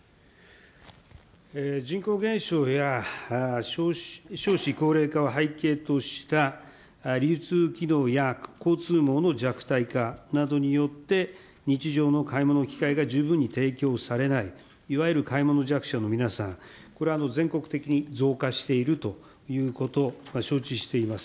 人口減少や少子高齢化を背景とした流通きどうや交通網の弱体化などによって、日常の買い物の機会が十分に提供されない、いわゆる買い物弱者の皆さん、これ、全国的に増加しているということ、承知しています。